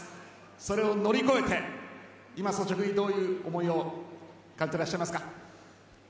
それを乗り越えて今、率直にどういう思いを感じていらっしゃいますか。